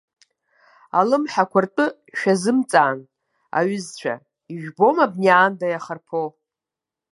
Алымҳақәа ртәы шәазымҵаан, аҩызцәа, ижәбома абни аанда иахарԥоу?